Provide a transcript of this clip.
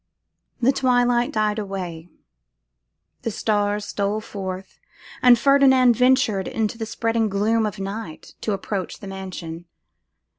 The twilight died away, the stars stole forth, and Ferdinand ventured in the spreading gloom of night to approach the mansion.